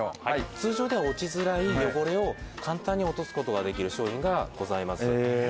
通常では落ちづらい汚れを簡単に落とすことができる商品がございます。